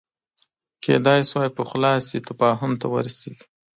کېدای شوای پخلا شي تفاهم ته ورسېږي